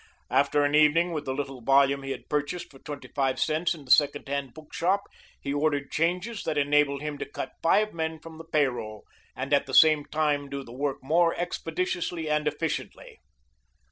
After an evening with the little volume he had purchased for twenty five cents in the second hand bookshop he ordered changes that enabled him to cut five men from the pay roll and at the same time do the work more expeditiously and efficiently.